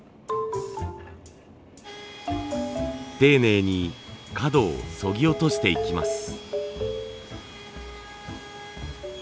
丁寧に角をそぎ落としていきます。